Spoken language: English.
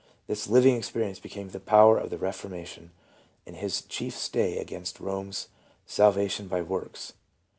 This living experience became the power of the Beformation and his chief stay against Eome's " salvation by works."